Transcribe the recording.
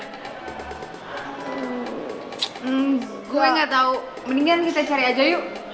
hmm gue gak tau mendingan kita cari aja yuk